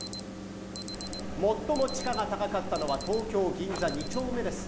最も地価が高かったのは東京・銀座２丁目です。